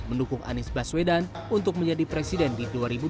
mendukung anies baswedan untuk menjadi presiden di dua ribu dua puluh